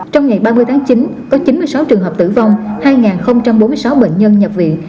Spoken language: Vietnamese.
trong ngày ba mươi tháng chín có chín mươi sáu trường hợp tử vong hai bốn mươi sáu bệnh nhân nhập viện